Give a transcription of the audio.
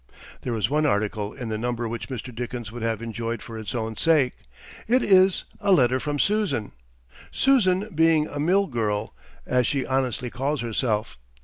There is one article in the number which Mr. Dickens would have enjoyed for its own sake. It is "A Letter from Susan;" Susan being a "mill girl," as she honestly calls herself.